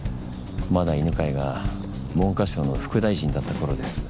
まだ犬飼が文科省の副大臣だった頃です。